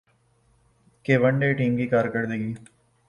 کہ one day team کی کارکردگی